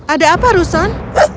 ada apa rusen